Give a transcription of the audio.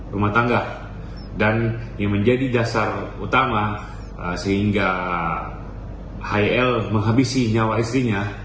rumah tangga dan yang menjadi dasar utama sehingga hil menghabisi nyawa istrinya